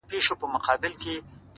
ختيځ توبې غره کي